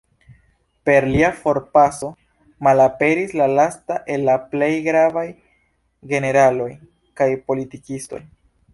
Per lia forpaso, malaperis la lasta el la plej gravaj generaloj kaj politikistoj.